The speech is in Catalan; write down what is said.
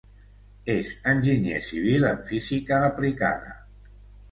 És enginyer civil en física aplicada.